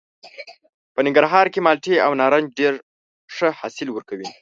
په ننګرهار کې مالټې او نارنج ډېر ښه حاصل ورکوي.